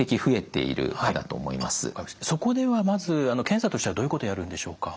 そこではまず検査としてはどういうことをやるんでしょうか？